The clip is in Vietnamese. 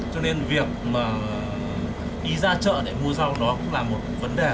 cho nên việc mà đi ra chợ để mua rau đó cũng là một vấn đề